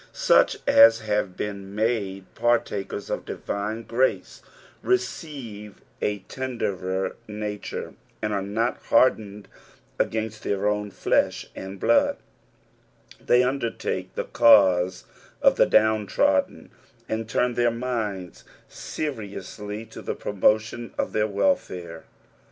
Such as have been mude partakers of divine grace receive a tenderer nature, and are not hardened against tlieir own flesh and blood ; thev undertake the cause of the downtrodden, and turn their minds seriously to the promotion of their welfare.